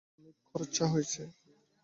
অনেক খরচা হয়েছে।